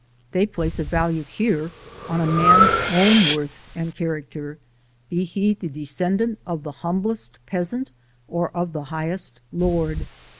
They place a value here on a man's own worth and character, be he the descendant of the humblest peasant or of the highest lord.